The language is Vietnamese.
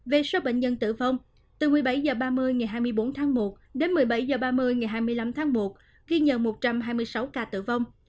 về số bệnh nhân tử vong từ một mươi bảy h ba mươi ngày hai mươi bốn tháng một đến một mươi bảy h ba mươi ngày hai mươi năm tháng một ghi nhận một trăm hai mươi sáu ca tử vong